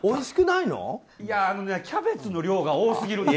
いや、キャベツの量が多すぎるんです。